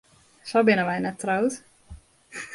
Sa binne wy net troud.